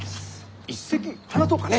一席話そうかね。